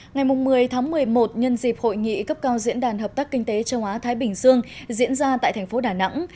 ngày một mươi tháng một mươi một nhân dịp hội nghị cấp cao diễn đàn hợp tác kinh tế châu á thái bình dương diễn ra tại thành phố đà nẵng